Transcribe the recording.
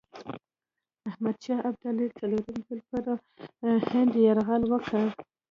احمدشاه ابدالي څلورم ځل پر هند یرغل وکړ.